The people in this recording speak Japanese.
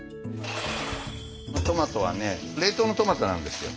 トマトはね冷凍のトマトなんですよ。